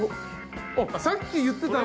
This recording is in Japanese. さっき言ってたの。